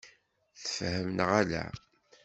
Tfehmem neɣ ala?